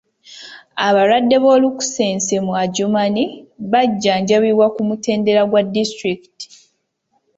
Abalwadde b'olunkusense mu Adjumani bajjanjabibwa ku mutendera gwa disitulikiti.